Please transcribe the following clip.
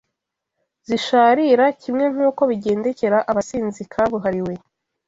zisharira kimwe nk’uko bigendekera abasinzi kabuhariwe